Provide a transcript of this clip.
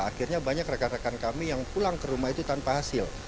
akhirnya banyak rekan rekan kami yang pulang ke rumah itu tanpa hasil